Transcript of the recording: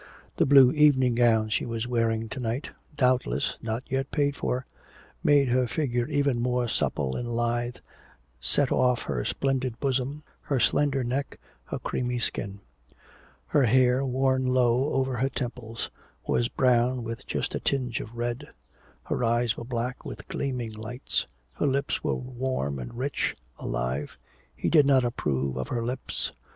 The blue evening gown she was wearing to night (doubtless not yet paid for) made her figure even more supple and lithe, set off her splendid bosom, her slender neck, her creamy skin. Her hair, worn low over her temples, was brown with just a tinge of red. Her eyes were black, with gleaming lights; her lips were warm and rich, alive. He did not approve of her lips.